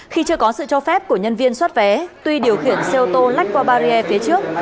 khi chưa có sự cho phép của nhân viên xoát vé tuy điều khiển xe ô tô lách qua barrier phía trước